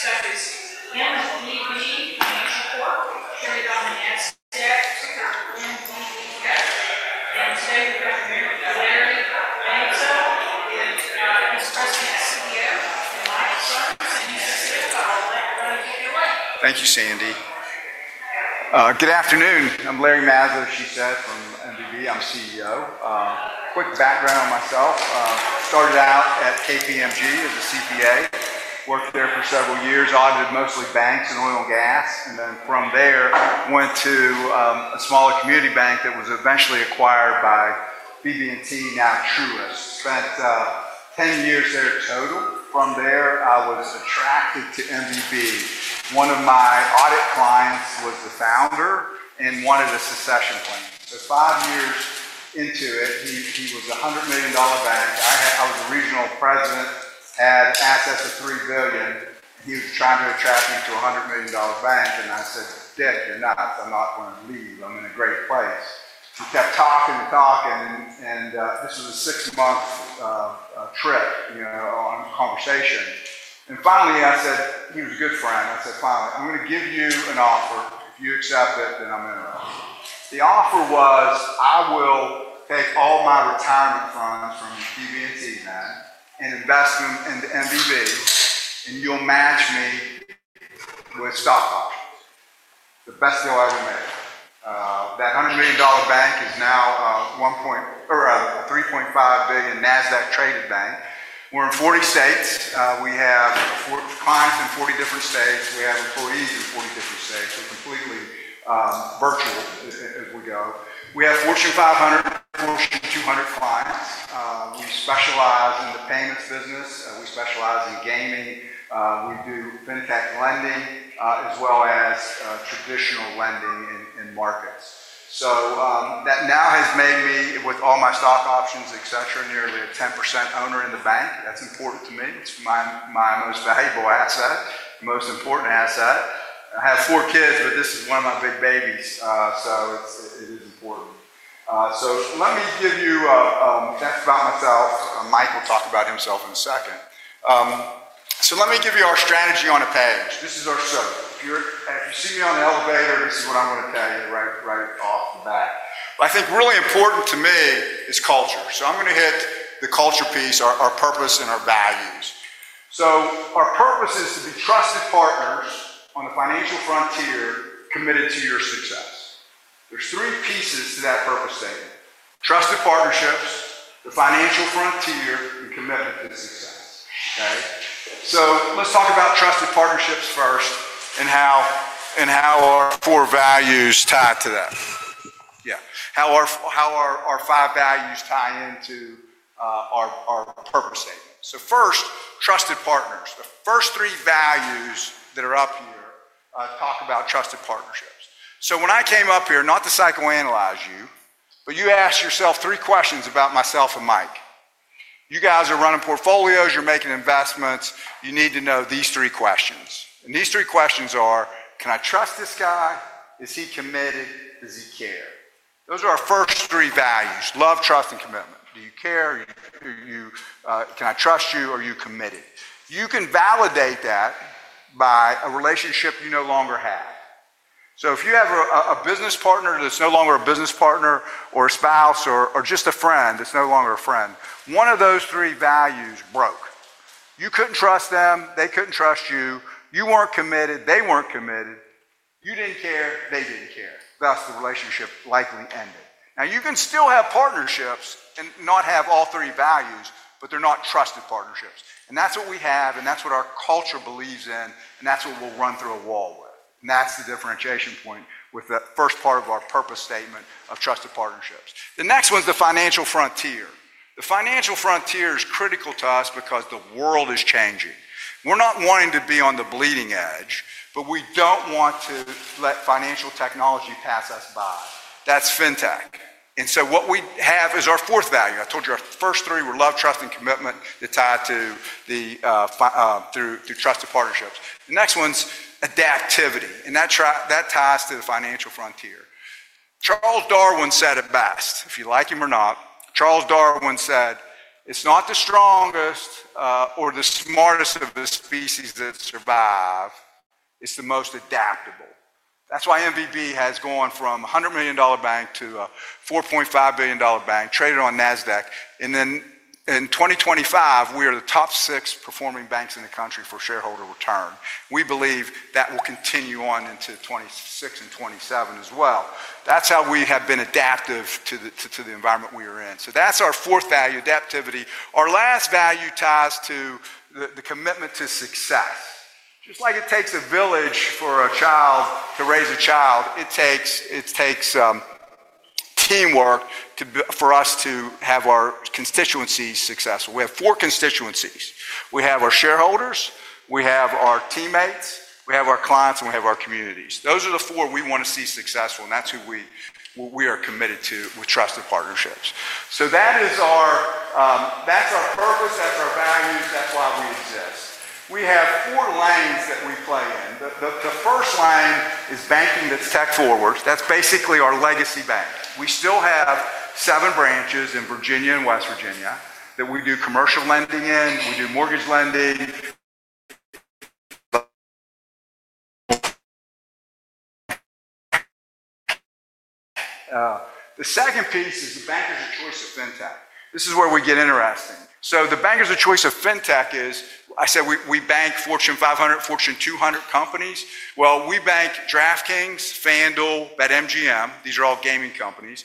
Thank you for attending the three-part advisors' ideas conference on CME marketing. The next step is MVB Financial Corp. Carried on the NASDAQ, took our MVB guest. And today we have Larry Mazza with his president, CEO, and Mike Sumbs, and he's a CFO. I'll let Larry take it away. Thank you, Sandy. Good afternoon. I'm Larry Mazza, as she said, from MVB. I'm CEO. Quick background on myself: started out at KPMG as a CPA, worked there for several years, audited mostly banks and oil and gas, and then from there went to a smaller community bank that was eventually acquired by BB&T, now Truist. Spent 10 years there total. From there, I was attracted to MVB. One of my audit clients was the founder and wanted a succession plan. So five years into it, he was a $100 million bank. I was a regional president, had assets of $3 billion. He was trying to attract me to a $100 million bank, and I said, "Dick, you're nuts. I'm not going to leave. I'm in a great place." We kept talking and talking, and this was a six-month trip, you know, conversation. Finally, I said—he was a good friend—I said, "Fine, I'm going to give you an offer. If you accept it, then I'm interested." The offer was, "I will take all my retirement funds from BB&T then and invest them in MVB, and you'll match me with stock options." The best deal I ever made. That $100 million bank is now a $3.5 billion NASDAQ-traded bank. We're in 40 states. We have clients in 40 different states. We have employees in 40 different states. We're completely virtual as we go. We have Fortune 500, Fortune 200 clients. We specialize in the payments business. We specialize in gaming. We do fintech lending as well as traditional lending in markets. That now has made me, with all my stock options, etc., nearly a 10% owner in the bank. That's important to me. It's my most valuable asset, most important asset. I have four kids, but this is one of my big babies. It is important. Let me give you—that's about myself. Mike will talk about himself in a second. Let me give you our strategy on a page. This is our soap. If you see me on the elevator, this is what I'm going to tell you right off the bat. I think really important to me is culture. I'm going to hit the culture piece, our purpose and our values. Our purpose is to be trusted partners on the financial frontier, committed to your success. There are three pieces to that purpose statement: trusted partnerships, the financial frontier, and commitment to success. Okay? Let's talk about trusted partnerships first and how our four values tie to that. Yeah. How our five values tie into our purpose statement. First, trusted partners. The first three values that are up here talk about trusted partnerships. When I came up here, not to psychoanalyze you, but you asked yourself three questions about myself and Mike. You guys are running portfolios. You're making investments. You need to know these three questions. These three questions are: Can I trust this guy? Is he committed? Does he care? Those are our first three values: love, trust, and commitment. Do you care? Can I trust you? Are you committed? You can validate that by a relationship you no longer have. If you have a business partner that's no longer a business partner or a spouse or just a friend that's no longer a friend, one of those three values broke. You couldn't trust them. They couldn't trust you. You weren't committed. They weren't committed. You didn't care. They didn't care. Thus, the relationship likely ended. Now, you can still have partnerships and not have all three values, but they're not trusted partnerships. That's what we have, and that's what our culture believes in, and that's what we'll run through a wall with. That's the differentiation point with the first part of our purpose statement of trusted partnerships. The next one's the financial frontier. The financial frontier is critical to us because the world is changing. We're not wanting to be on the bleeding edge, but we don't want to let financial technology pass us by. That's fintech. What we have is our fourth value. I told you our first three were love, trust, and commitment that tie to trusted partnerships. The next one's adaptivity. That ties to the financial frontier. Charles Darwin said it best, if you like him or not. Charles Darwin said, "It's not the strongest or the smartest of the species that survive. It's the most adaptable." That is why MVB has gone from a $100 million bank to a $4.5 billion bank, traded on NASDAQ. In 2025, we are the top six performing banks in the country for shareholder return. We believe that will continue on into 2026 and 2027 as well. That is how we have been adaptive to the environment we are in. That is our fourth value, adaptivity. Our last value ties to the commitment to success. Just like it takes a village for a child to raise a child, it takes teamwork for us to have our constituencies successful. We have four constituencies. We have our shareholders. We have our teammates. We have our clients, and we have our communities. Those are the four we want to see successful, and that's who we are committed to with trusted partnerships. That is our purpose. That's our values. That's why we exist. We have four lanes that we play in. The first lane is banking that's tech-forward. That's basically our legacy bank. We still have seven branches in Virginia and West Virginia that we do commercial lending in. We do mortgage lending. The second piece is the bankers of choice of fintech. This is where we get interesting. The bankers of choice of fintech is, I said, we bank Fortune 500, Fortune 200 companies. We bank DraftKings, FanDuel, BetMGM. These are all gaming companies.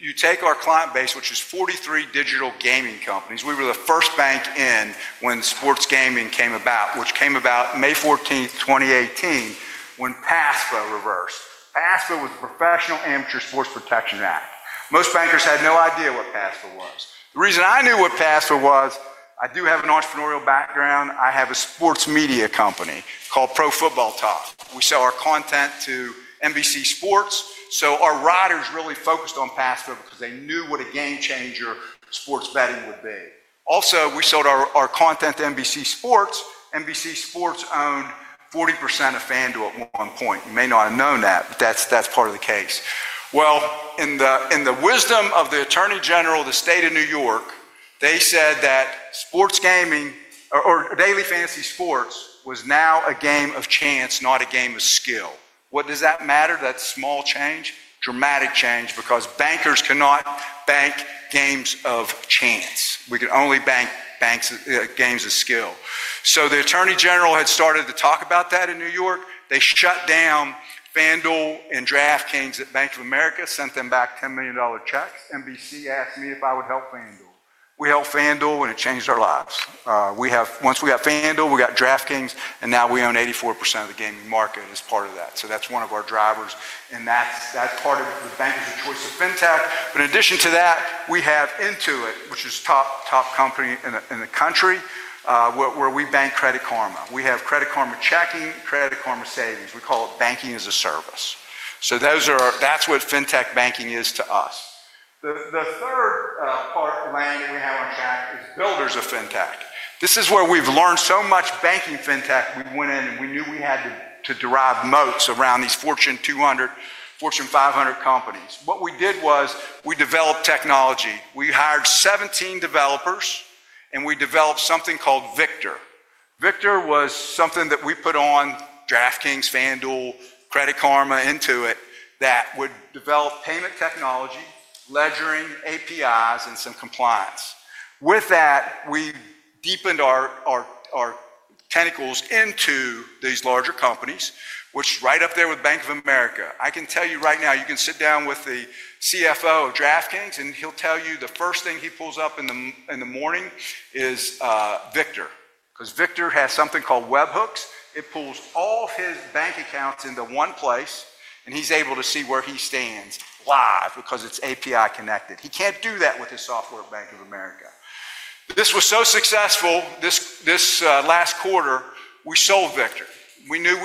You take our client base, which is 43 digital gaming companies. We were the first bank in when sports gaming came about, which came about May 14th, 2018, when PASPA reversed. PASPA was the Professional Amateur Sports Protection Act. Most bankers had no idea what PASPA was. The reason I knew what PASPA was, I do have an entrepreneurial background. I have a sports media company called ProFootballTalk. We sell our content to NBC Sports. So our writers really focused on PASPA because they knew what a game changer sports betting would be. Also, we sold our content to NBC Sports. NBC Sports owned 40% of FanDuel at one point. You may not have known that, but that's part of the case. In the wisdom of the Attorney General of the State of New York, they said that sports gaming or daily fantasy sports was now a game of chance, not a game of skill. What does that matter? That small change, dramatic change, because bankers cannot bank games of chance. We can only bank games of skill. The Attorney General had started to talk about that in New York. They shut down FanDuel and DraftKings at Bank of America, sent them back $10 million checks. NBC asked me if I would help FanDuel. We helped FanDuel, and it changed our lives. Once we got FanDuel, we got DraftKings, and now we own 84% of the gaming market as part of that. That is one of our drivers. That is part of the bankers of choice of fintech. In addition to that, we have Intuit, which is a top company in the country where we bank Credit Karma. We have Credit Karma Checking, Credit Karma Savings. We call it Banking As a Service. That is what fintech banking is to us. The third lane that we have on track is builders of fintech. This is where we have learned so much banking fintech. We went in and we knew we had to derive moats around these Fortune 200, Fortune 500 companies. What we did was we developed technology. We hired 17 developers, and we developed something called Victor. Victor was something that we put on DraftKings, FanDuel, Credit Karma, Intuit that would develop payment technology, ledgering, APIs, and some compliance. With that, we deepened our tentacles into these larger companies, which is right up there with Bank of America. I can tell you right now, you can sit down with the CFO of DraftKings and he'll tell you the first thing he pulls up in the morning is Victor because Victor has something called webhooks. It pulls all his bank accounts into one place, and he's able to see where he stands live because it's API connected. He can't do that with his software at Bank of America. This was so successful this last quarter, we sold Victor. We knew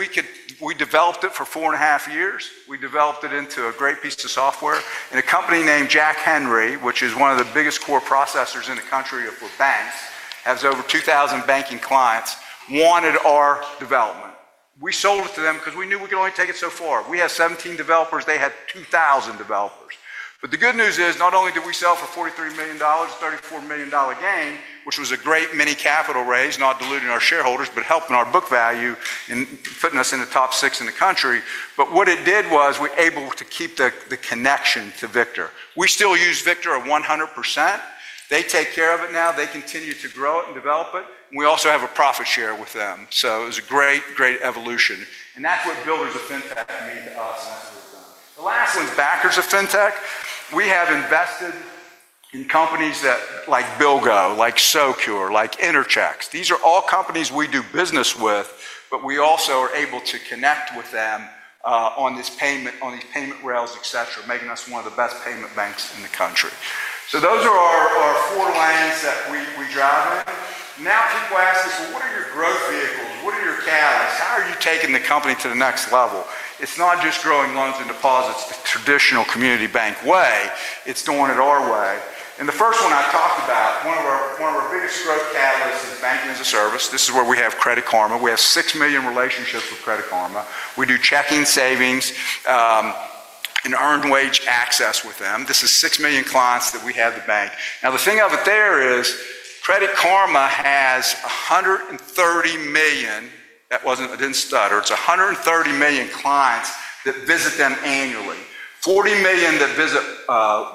we developed it for four and a half years. We developed it into a great piece of software. A company named Jack Henry, which is one of the biggest core processors in the country for banks, has over 2,000 banking clients, wanted our development. We sold it to them because we knew we could only take it so far. We had 17 developers. They had 2,000 developers. The good news is not only did we sell for $43 million, a $34 million gain, which was a great mini capital raise, not diluting our shareholders, but helping our book value and putting us in the top six in the country. What it did was we were able to keep the connection to Victor. We still use Victor at 100%. They take care of it now. They continue to grow it and develop it. We also have a profit share with them. It was a great, great evolution. That is what builders of fintech mean to us, and that is what we have done. The last one is backers of fintech. We have invested in companies like BillGO, like Socure, like Interchecks. These are all companies we do business with, but we also are able to connect with them on these payment rails, etc., making us one of the best payment banks in the country. Those are our four lanes that we drive in. Now people ask us, "What are your growth vehicles? What are your catalysts? How are you taking the company to the next level?" It is not just growing loans and deposits the traditional community bank way. It is going it our way. The first one I talked about, one of our biggest growth catalysts is Banking As a Service. This is where we have Credit Karma. We have $6 million relationships with Credit Karma. We do checking, savings, and earned wage access with them. This is 6 million clients that we have at the bank. Now, the thing of it there is Credit Karma has 130 million—that did not stutter—it is 130 million clients that visit them annually. 40 million that visit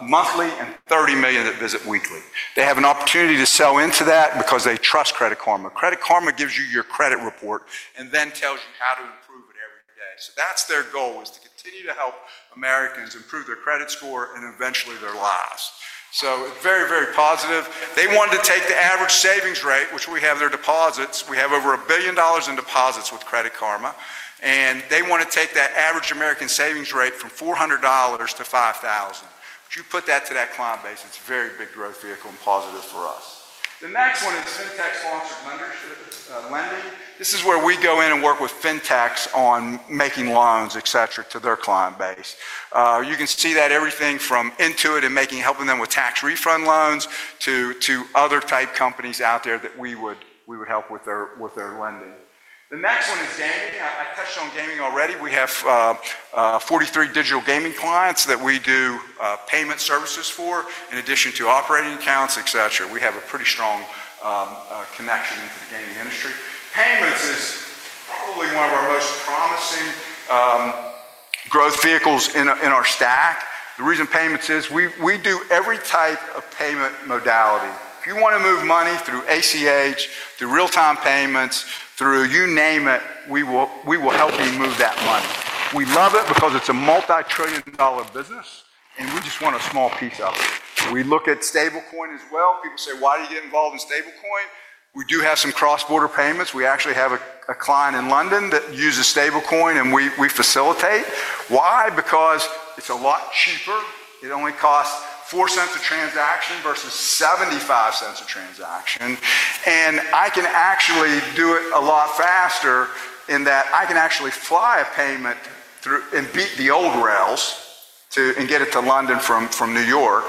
monthly and 30 million that visit weekly. They have an opportunity to sell into that because they trust Credit Karma. Credit Karma gives you your credit report and then tells you how to improve it every day. That is their goal, to continue to help Americans improve their credit score and eventually their lives. It is very, very positive. They wanted to take the average savings rate, which we have their deposits. We have over $1 billion in deposits with Credit Karma. They want to take that average American savings rate from $400 to $5,000. If you put that to that client base, it's a very big growth vehicle and positive for us. The next one is fintech-sponsored lending. This is where we go in and work with fintechs on making loans, etc., to their client base. You can see that everything from Intuit and helping them with tax refund loans to other type companies out there that we would help with their lending. The next one is gaming. I touched on gaming already. We have 43 digital gaming clients that we do payment services for in addition to operating accounts, etc. We have a pretty strong connection into the gaming industry. Payments is probably one of our most promising growth vehicles in our stack. The reason payments is we do every type of payment modality. If you want to move money through ACH, through real-time payments, through you name it, we will help you move that money. We love it because it's a multi-trillion dollar business, and we just want a small piece of it. We look at stablecoin as well. People say, "Why do you get involved in stablecoin?" We do have some cross-border payments. We actually have a client in London that uses stablecoin, and we facilitate. Why? Because it's a lot cheaper. It only costs $0.04 a transaction versus $0.75 a transaction. I can actually do it a lot faster in that I can actually fly a payment and beat the old rails and get it to London from New York.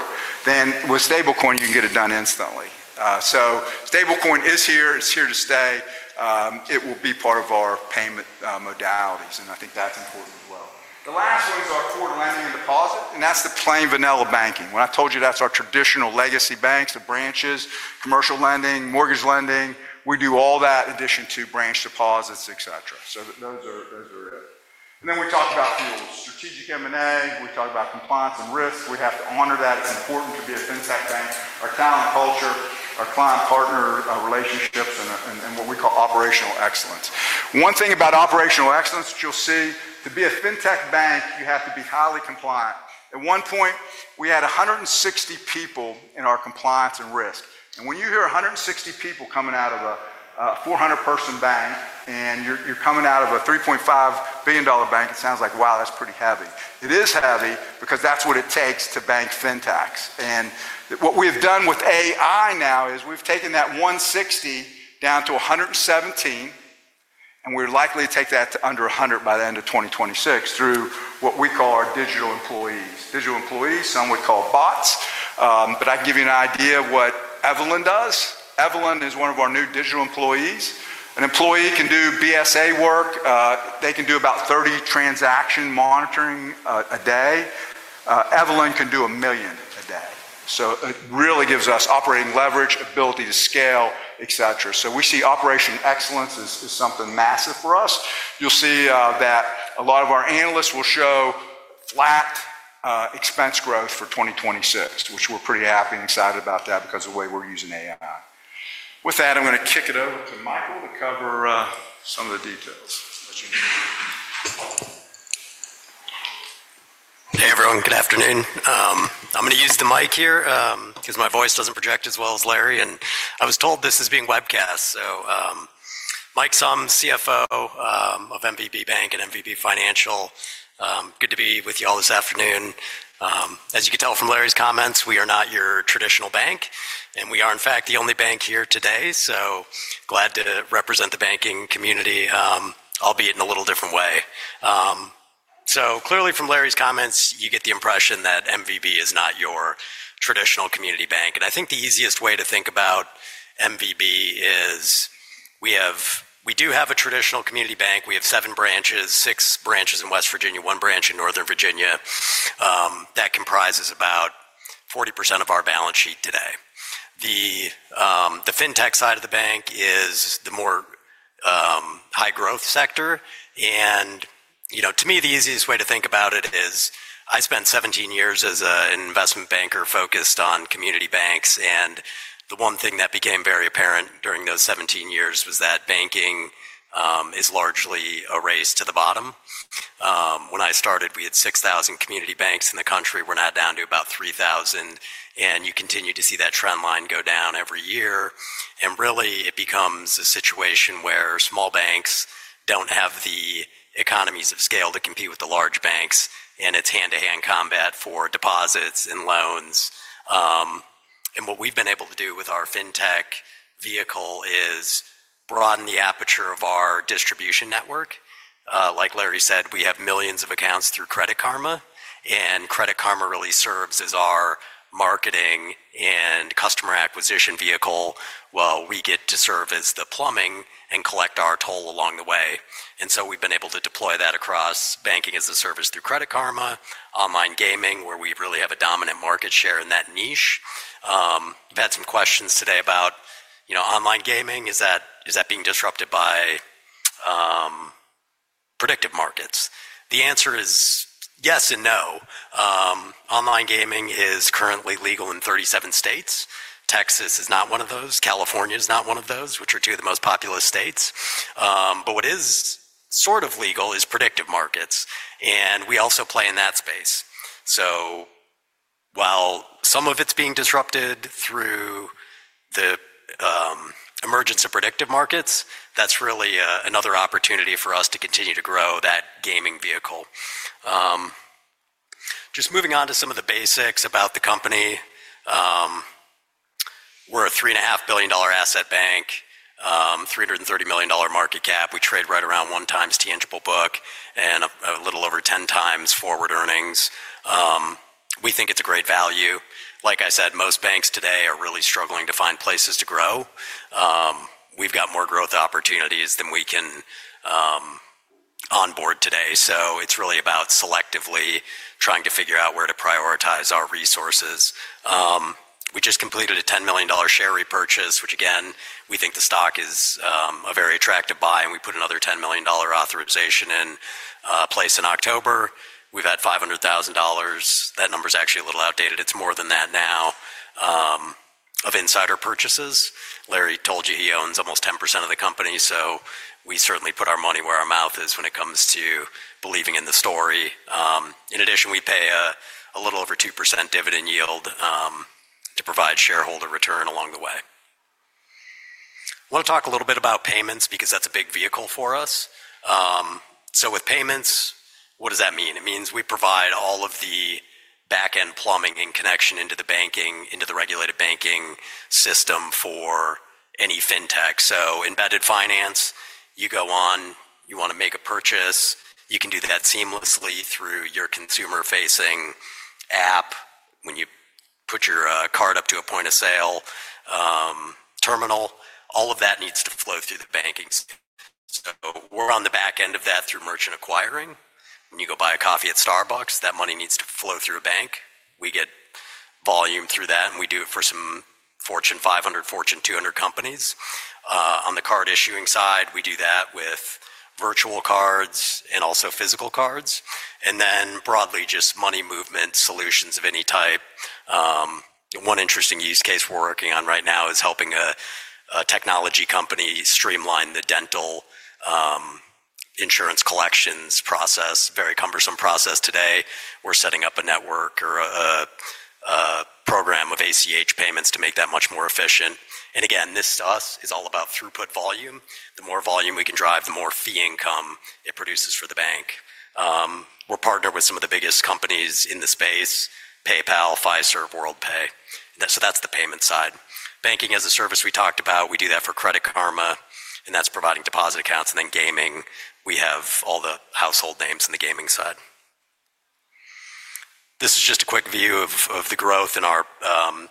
With stablecoin, you can get it done instantly. Stablecoin is here. It's here to stay. It will be part of our payment modalities. I think that's important as well. The last one is our core lending and deposit. That's the plain vanilla banking. When I told you that's our traditional legacy banks, the branches, commercial lending, mortgage lending, we do all that in addition to branch deposits, etc. Those are it. We talked about strategic M&A. We talked about compliance and risk. We have to honor that. It's important to be a fintech bank. Our talent culture, our client partner relationships, and what we call operational excellence. One thing about operational excellence that you'll see, to be a fintech bank, you have to be highly compliant. At one point, we had 160 people in our compliance and risk. When you hear 160 people coming out of a 400-person bank and you're coming out of a $3.5 billion bank, it sounds like, "Wow, that's pretty heavy." It is heavy because that's what it takes to bank fintechs. What we have done with AI now is we've taken that 160 down to 117, and we're likely to take that to under 100 by the end of 2026 through what we call our digital employees. Digital employees, some would call bots. I can give you an idea of what Evelyn does. Evelyn is one of our new digital employees. An employee can do BSA work. They can do about 30 transaction monitoring a day. Evelyn can do a million a day. It really gives us operating leverage, ability to scale, etc. We see operation excellence is something massive for us. You'll see that a lot of our analysts will show flat expense growth for 2026, which we're pretty happy and excited about that because of the way we're using AI. With that, I'm going to kick it over to Michael to cover some of the details. Hey, everyone. Good afternoon. I'm going to use the mic here because my voice doesn't project as well as Larry. I was told this is being webcast. So Mike Sumbs, CFO of MVB Bank and MVB Financial. Good to be with you all this afternoon. As you can tell from Larry's comments, we are not your traditional bank. We are, in fact, the only bank here today. Glad to represent the banking community, albeit in a little different way. Clearly, from Larry's comments, you get the impression that MVB is not your traditional community bank. I think the easiest way to think about MVB is we do have a traditional community bank. We have seven branches, six branches in West Virginia, one branch in Northern Virginia that comprises about 40% of our balance sheet today. The fintech side of the bank is the more high-growth sector. To me, the easiest way to think about it is I spent 17 years as an investment banker focused on community banks. The one thing that became very apparent during those 17 years was that banking is largely a race to the bottom. When I started, we had 6,000 community banks in the country. We're now down to about 3,000. You continue to see that trend line go down every year. It really becomes a situation where small banks do not have the economies of scale to compete with the large banks in its hand-to-hand combat for deposits and loans. What we have been able to do with our fintech vehicle is broaden the aperture of our distribution network. Like Larry said, we have millions of accounts through Credit Karma. Credit Karma really serves as our marketing and customer acquisition vehicle while we get to serve as the plumbing and collect our toll along the way. We have been able to deploy that across Banking As a Service through Credit Karma, online gaming, where we really have a dominant market share in that niche. We have had some questions today about online gaming. Is that being disrupted by predictive markets? The answer is yes and no. Online gaming is currently legal in 37 states. Texas is not one of those. California is not one of those, which are two of the most populous states. What is sort of legal is predictive markets. We also play in that space. While some of it is being disrupted through the emergence of predictive markets, that is really another opportunity for us to continue to grow that gaming vehicle. Moving on to some of the basics about the company. We are a $3.5 billion asset bank, $330 million market cap. We trade right around one times tangible book and a little over 10 times forward earnings. We think it is a great value. Like I said, most banks today are really struggling to find places to grow. We have got more growth opportunities than we can onboard today. It is really about selectively trying to figure out where to prioritize our resources. We just completed a $10 million share repurchase, which, again, we think the stock is a very attractive buy. We put another $10 million authorization in place in October. We've had $500,000. That number is actually a little outdated. It's more than that now of insider purchases. Larry told you he owns almost 10% of the company. We certainly put our money where our mouth is when it comes to believing in the story. In addition, we pay a little over 2% dividend yield to provide shareholder return along the way. I want to talk a little bit about payments because that's a big vehicle for us. With payments, what does that mean? It means we provide all of the back-end plumbing and connection into the banking, into the regulated banking system for any fintech. Embedded finance, you go on, you want to make a purchase. You can do that seamlessly through your consumer-facing app when you put your card up to a point of sale terminal. All of that needs to flow through the banking. We are on the back end of that through merchant acquiring. When you go buy a coffee at Starbucks, that money needs to flow through a bank. We get volume through that, and we do it for some Fortune 500, Fortune 200 companies. On the card issuing side, we do that with virtual cards and also physical cards. Then broadly, just money movement solutions of any type. One interesting use case we are working on right now is helping a technology company streamline the dental insurance collections process. Very cumbersome process today. We are setting up a network or a program of ACH payments to make that much more efficient. This to us is all about throughput volume. The more volume we can drive, the more fee income it produces for the bank. We're partnered with some of the biggest companies in the space: PayPal, Fiserv, Worldpay. That is the payment side. Banking As a Service we talked about. We do that for Credit Karma, and that is providing deposit accounts. In gaming, we have all the household names in the gaming side. This is just a quick view of the growth in our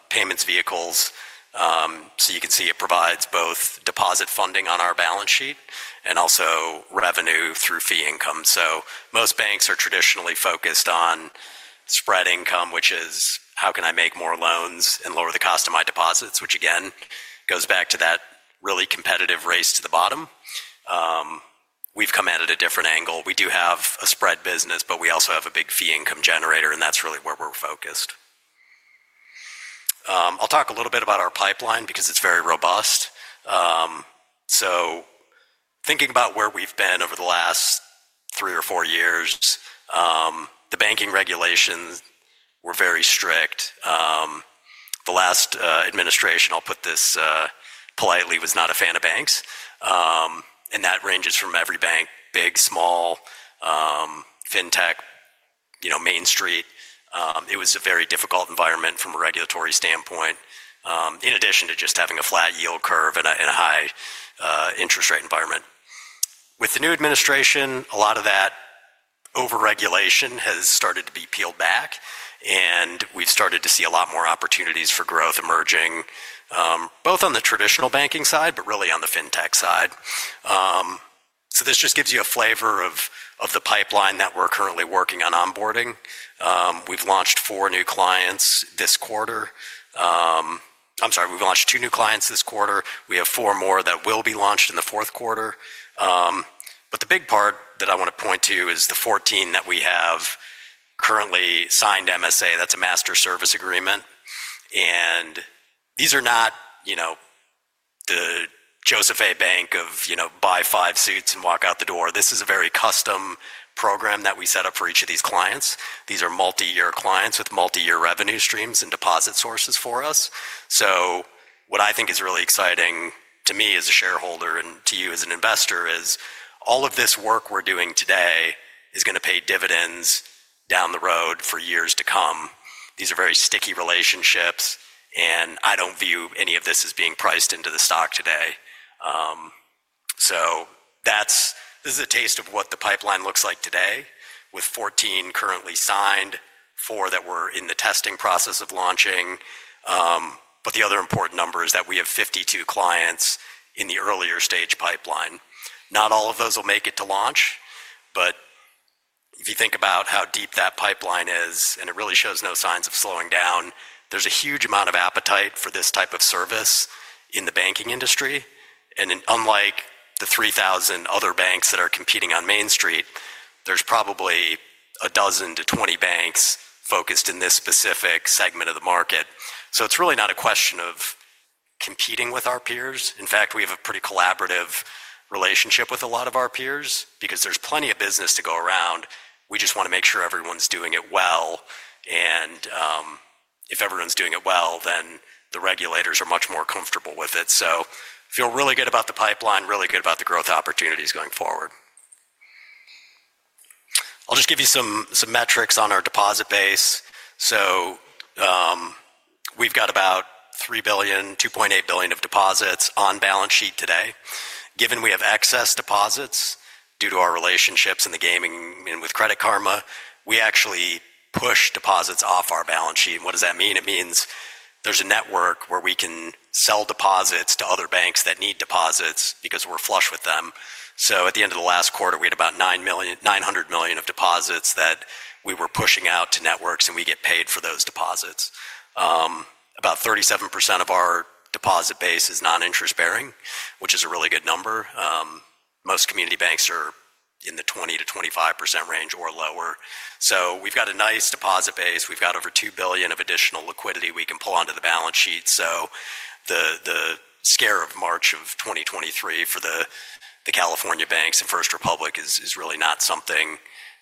payments vehicles. You can see it provides both deposit funding on our balance sheet and also revenue through fee income. Most banks are traditionally focused on spread income, which is how can I make more loans and lower the cost of my deposits, which again goes back to that really competitive race to the bottom. We've come at it a different angle. We do have a spread business, but we also have a big fee income generator, and that's really where we're focused. I'll talk a little bit about our pipeline because it's very robust. Thinking about where we've been over the last three or four years, the banking regulations were very strict. The last administration, I'll put this politely, was not a fan of banks. That ranges from every bank, big, small, fintech, Main Street. It was a very difficult environment from a regulatory standpoint, in addition to just having a flat yield curve and a high interest rate environment. With the new administration, a lot of that over-regulation has started to be peeled back, and we've started to see a lot more opportunities for growth emerging, both on the traditional banking side, but really on the fintech side. This just gives you a flavor of the pipeline that we're currently working on onboarding. We've launched two new clients this quarter. We have four more that will be launched in the fourth quarter. The big part that I want to point to is the 14 that we have currently signed MSA. That's a master service agreement. These are not the Joseph A. Bank of buy five suits and walk out the door. This is a very custom program that we set up for each of these clients. These are multi-year clients with multi-year revenue streams and deposit sources for us. What I think is really exciting to me as a shareholder and to you as an investor is all of this work we're doing today is going to pay dividends down the road for years to come. These are very sticky relationships, and I don't view any of this as being priced into the stock today. This is a taste of what the pipeline looks like today, with 14 currently signed, four that we're in the testing process of launching. The other important number is that we have 52 clients in the earlier stage pipeline. Not all of those will make it to launch, but if you think about how deep that pipeline is, and it really shows no signs of slowing down, there's a huge amount of appetite for this type of service in the banking industry. Unlike the 3,000 other banks that are competing on Main Street, there is probably a dozen to 20 banks focused in this specific segment of the market. It is really not a question of competing with our peers. In fact, we have a pretty collaborative relationship with a lot of our peers because there is plenty of business to go around. We just want to make sure everyone is doing it well. If everyone is doing it well, then the regulators are much more comfortable with it. I feel really good about the pipeline, really good about the growth opportunities going forward. I will just give you some metrics on our deposit base. We have about $3 billion, $2.8 billion of deposits on balance sheet today. Given we have excess deposits due to our relationships in the gaming and with Credit Karma, we actually push deposits off our balance sheet. What does that mean? It means there's a network where we can sell deposits to other banks that need deposits because we're flush with them. At the end of the last quarter, we had about $900 million of deposits that we were pushing out to networks, and we get paid for those deposits. About 37% of our deposit base is non-interest bearing, which is a really good number. Most community banks are in the 20%-25% range or lower. We have a nice deposit base. We have over $2 billion of additional liquidity we can pull onto the balance sheet. The scare of March of 2023 for the California banks and First Republic is really not something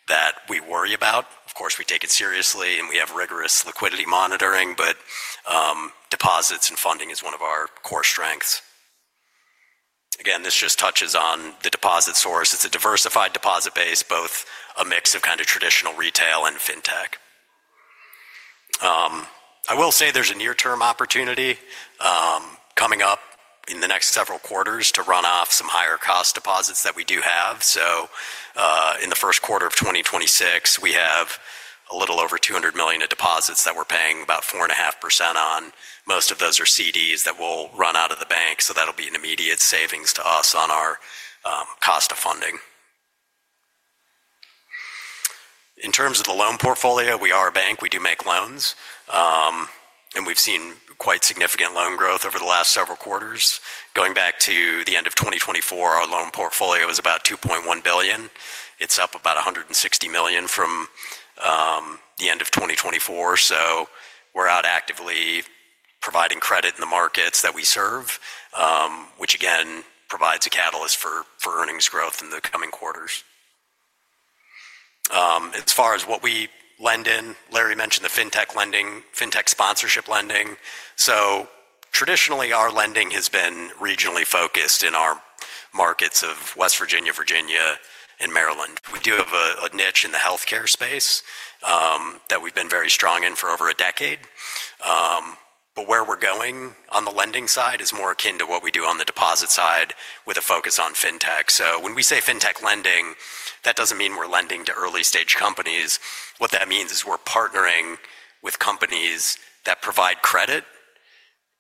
that we worry about. Of course, we take it seriously, and we have rigorous liquidity monitoring, but deposits and funding is one of our core strengths. Again, this just touches on the deposit source. It's a diversified deposit base, both a mix of kind of traditional retail and fintech. I will say there's a near-term opportunity coming up in the next several quarters to run off some higher-cost deposits that we do have. In the first quarter of 2026, we have a little over $200 million of deposits that we're paying about 4.5% on. Most of those are certificates of deposit that will run out of the bank. That will be an immediate savings to us on our cost of funding. In terms of the loan portfolio, we are a bank. We do make loans. And we've seen quite significant loan growth over the last several quarters. Going back to the end of 2024, our loan portfolio was about $2.1 billion. It's up about $160 million from the end of 2024. We're out actively providing credit in the markets that we serve, which again provides a catalyst for earnings growth in the coming quarters. As far as what we lend in, Larry mentioned the fintech sponsorship lending. Traditionally, our lending has been regionally focused in our markets of West Virginia, Virginia, and Maryland. We do have a niche in the healthcare space that we've been very strong in for over a decade. Where we're going on the lending side is more akin to what we do on the deposit side with a focus on fintech. When we say fintech lending, that doesn't mean we're lending to early-stage companies. What that means is we're partnering with companies that provide credit,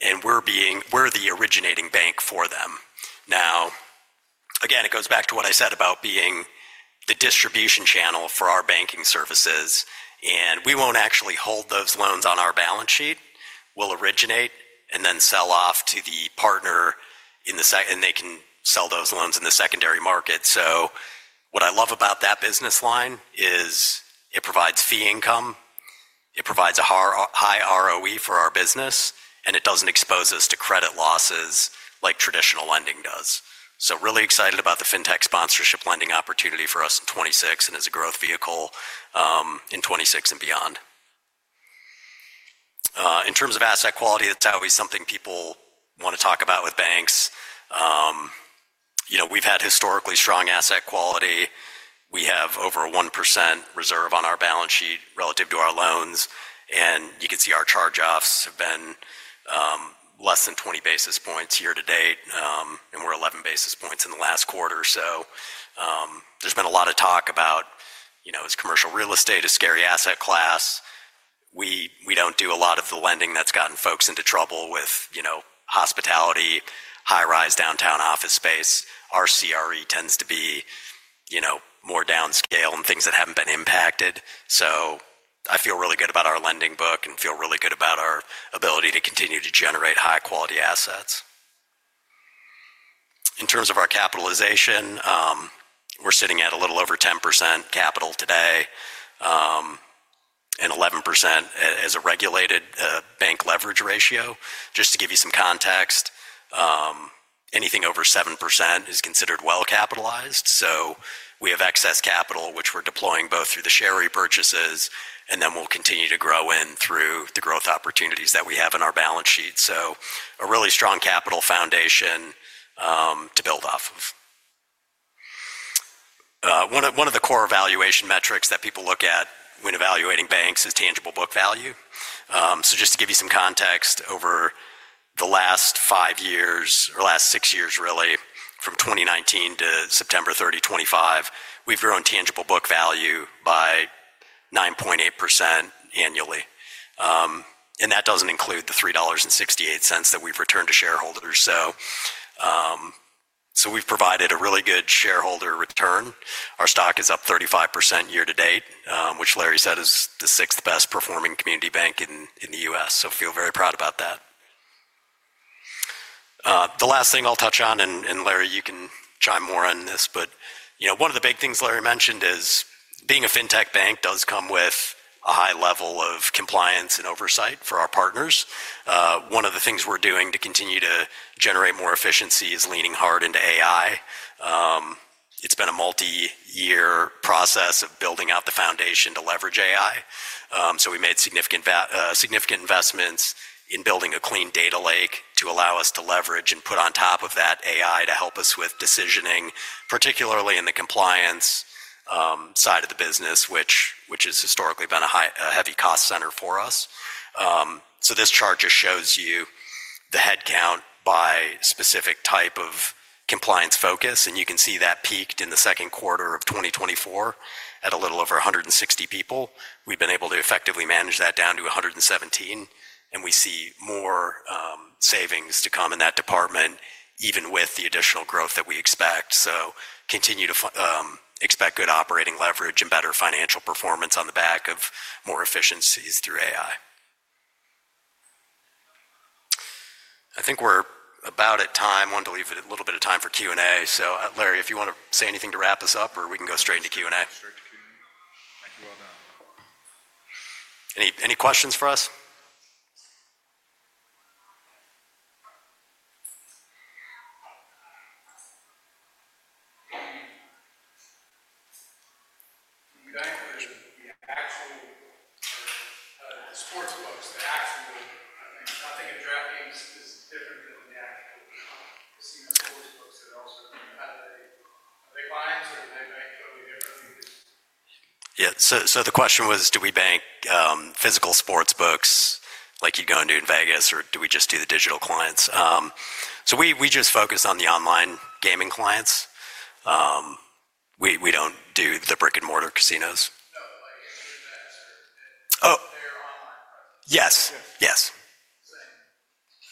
and we're the originating bank for them. Again, it goes back to what I said about being the distribution channel for our banking services. We will not actually hold those loans on our balance sheet. We will originate and then sell off to the partner in the second, and they can sell those loans in the secondary market. What I love about that business line is it provides fee income. It provides a high ROE for our business, and it does not expose us to credit losses like traditional lending does. I am really excited about the fintech sponsorship lending opportunity for us in 2026 and as a growth vehicle in 2026 and beyond. In terms of asset quality, that is always something people want to talk about with banks. We have had historically strong asset quality. We have over a 1% reserve on our balance sheet relative to our loans. You can see our charge-offs have been less than 20 basis points year to date, and we are 11 basis points in the last quarter. There's been a lot of talk about, as commercial real estate is a scary asset class, we don't do a lot of the lending that's gotten folks into trouble with hospitality, high-rise downtown office space. Our CRE tends to be more downscale and things that haven't been impacted. I feel really good about our lending book and feel really good about our ability to continue to generate high-quality assets. In terms of our capitalization, we're sitting at a little over 10% capital today and 11% as a regulated bank leverage ratio. Just to give you some context, anything over 7% is considered well capitalized. We have excess capital, which we're deploying both through the share repurchases, and then we'll continue to grow in through the growth opportunities that we have in our balance sheet. A really strong capital foundation to build off of. One of the core valuation metrics that people look at when evaluating banks is tangible book value. Just to give you some context, over the last five years or last six years, really, from 2019 to September 30, 2025, we've grown tangible book value by 9.8% annually. That does not include the $3.68 that we've returned to shareholders. We've provided a really good shareholder return. Our stock is up 35% year to date, which Larry said is the sixth best-performing community bank in the U.S. I feel very proud about that. The last thing I'll touch on, and Larry, you can chime more on this, but one of the big things Larry mentioned is being a fintech bank does come with a high level of compliance and oversight for our partners. One of the things we're doing to continue to generate more efficiency is leaning hard into AI. It's been a multi-year process of building out the foundation to leverage AI. We made significant investments in building a clean data lake to allow us to leverage and put on top of that AI to help us with decisioning, particularly in the compliance side of the business, which has historically been a heavy cost center for us. This chart just shows you the headcount by specific type of compliance focus. You can see that peaked in the second quarter of 2024 at a little over 160 people. We've been able to effectively manage that down to 117, and we see more savings to come in that department, even with the additional growth that we expect. Continue to expect good operating leverage and better financial performance on the back of more efficiencies through AI. I think we're about at time. I wanted to leave a little bit of time for Q&A. Larry, if you want to say anything to wrap us up, or we can go straight into Q&A. Thank you all. Any questions for us? Yeah. The question was, do we bank physical sports books like you'd go into in Vegas, or do we just do the digital clients? We just focus on the online gaming clients. We do not do the brick-and-mortar casinos. No. They are online credits. Yes. Yes.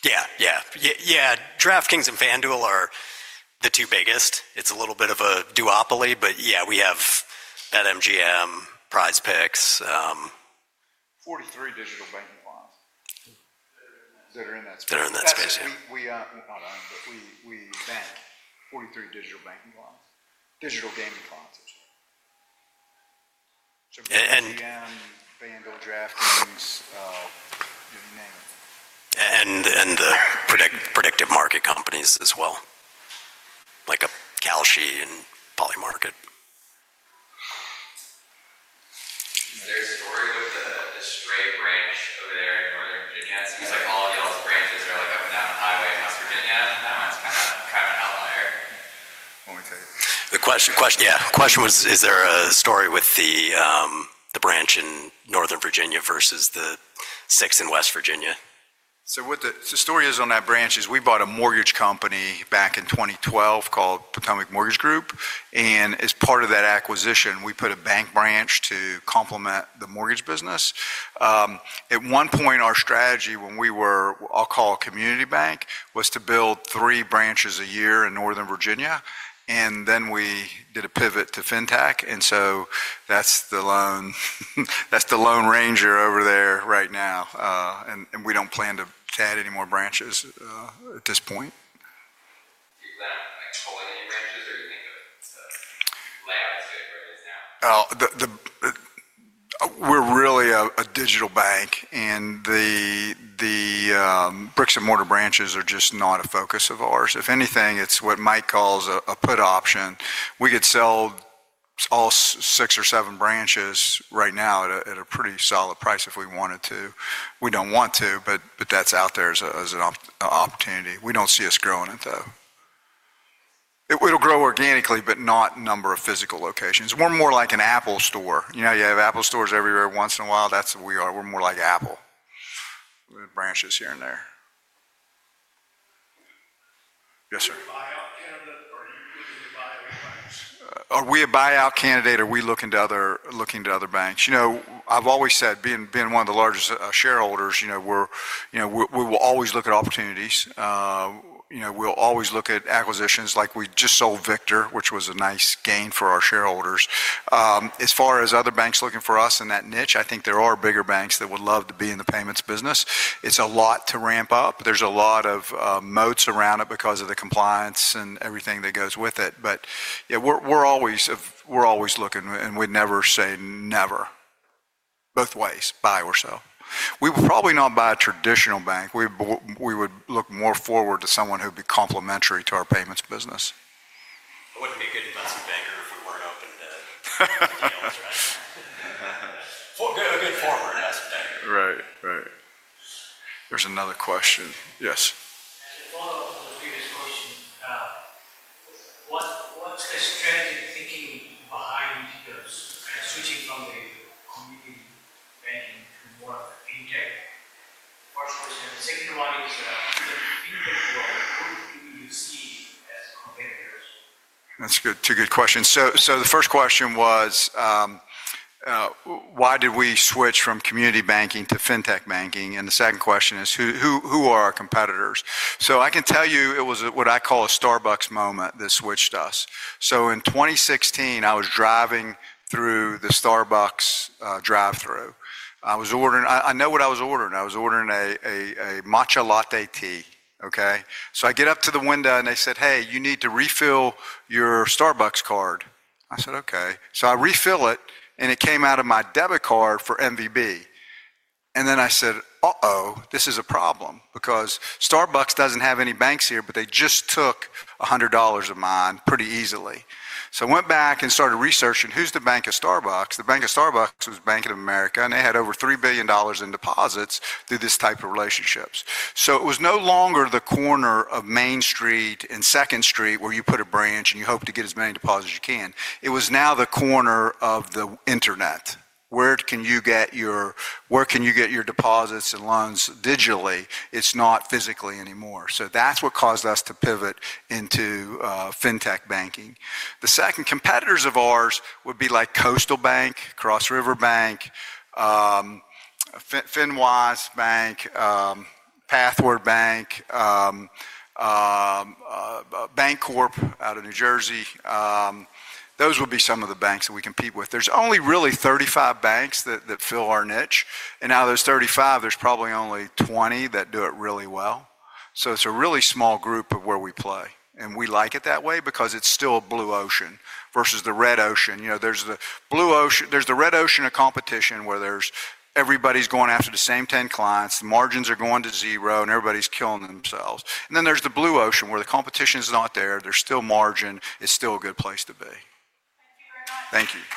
Yeah. Yeah. Yeah. DraftKings and FanDuel are the two biggest. It is a little bit of a duopoly, but yeah, we have BetMGM, PrizePicks. Forty-three digital banking clients. They are in that space. They are in that space, yeah. Hold on. We bank 43 digital gaming clients. MGM, FanDuel, DraftKings, you name it. The predictive market companies as well, like Kalshi and Polymarket. There is a story with the stray branch over there in Northern Virginia. It seems like all of the other branches are up and down the highway in West Virginia. That one is kind of an outlier. The question, yeah, the question was, is there a story with the branch in Northern Virginia versus the six in West Virginia? The story is on that branch is we bought a mortgage company back in 2012 called Potomac Mortgage Group. As part of that acquisition, we put a bank branch to complement the mortgage business. At one point, our strategy when we were, I'll call it community bank, was to build three branches a year in Northern Virginia. We did a pivot to fintech. That's the loan ranger over there right now. We don't plan to add any more branches at this point. We're really a digital bank, and the bricks-and-mortar branches are just not a focus of ours. If anything, it's what Mike calls a put option. We could sell all six or seven branches right now at a pretty solid price if we wanted to. We don't want to, but that's out there as an opportunity. We don't see us growing it, though. It'll grow organically, but not a number of physical locations. We're more like an Apple store. You have Apple stores everywhere once in a while. That's who we are. We're more like Apple. We have branches here and there. Yes, sir. Are you a buyout candidate? Are we a buyout candidate? Are we looking to other banks? I've always said, being one of the largest shareholders, we will always look at opportunities. We'll always look at acquisitions. We just sold Victor, which was a nice gain for our shareholders. As far as other banks looking for us in that niche, I think there are bigger banks that would love to be in the payments business. It's a lot to ramp up. There's a lot of moats around it because of the compliance and everything that goes with it. Yeah, we're always looking, and we'd never say never. Both ways, buy or sell. We would probably not buy a traditional bank. We would look more forward to someone who would be complementary to our payments business. It wouldn't be a good investment banker if we weren't open to deals, right? A good farmer investment banker. Right. Right. There's another question. Yes. One of the previous questions, what's the strategic thinking behind switching from the community banking to more fintech? The second one is, in the fintech world, who do you see as competitors? That's two good questions. The first question was, why did we switch from community banking to fintech banking? The second question is, who are our competitors? I can tell you it was what I call a Starbucks moment that switched us. In 2016, I was driving through the Starbucks drive-through. I know what I was ordering. I was ordering a matcha latte tea. Okay? I get up to the window, and they said, "Hey, you need to refill your Starbucks card." I said, "Okay." I refill it, and it came out of my debit card for MVB. Then I said, "Uh-oh, this is a problem," because Starbucks doesn't have any banks here, but they just took $100 of mine pretty easily. I went back and started researching, who's the bank of Starbucks? The bank of Starbucks was Bank of America, and they had over $3 billion in deposits through this type of relationships. It was no longer the corner of Main Street and Second Street where you put a branch and you hope to get as many deposits as you can. It was now the corner of the internet. Where can you get your deposits and loans digitally? It's not physically anymore. That's what caused us to pivot into fintech banking. The second competitors of ours would be like Coastal Bank, Cross River Bank, FinWise Bank, Pathward Bank, Bancorp out of New Jersey. Those would be some of the banks that we compete with. There's only really 35 banks that fill our niche. Out of those 35, there's probably only 20 that do it really well. It is a really small group of where we play. We like it that way because it's still a blue ocean versus the red ocean. There's the red ocean of competition where everybody's going after the same 10 clients. The margins are going to zero, and everybody's killing themselves. There is the blue ocean where the competition's not there. There is still margin. It's still a good place to be. Thank you very much. Thank you.